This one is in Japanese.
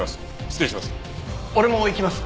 失礼します。